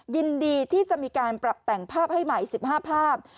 ยินดีที่จะมีการปรับแต่งภาพให้ใหม่๑๕ภาพ